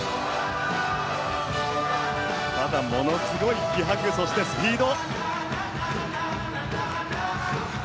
ただ、ものすごい気迫とスピード！